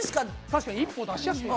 確かに一歩出しやすくなるね。